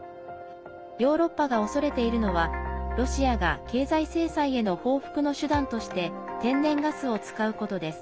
ヨーロッパが恐れているのはロシアが経済制裁への報復の手段として天然ガスを使うことです。